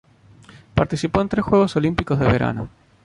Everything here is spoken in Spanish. Participó en tres Juegos Olímpicos de Verano.